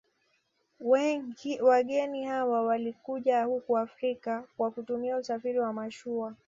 Wageni hawa walikuja huku Afrika kwa kutumia usafiri wa mashua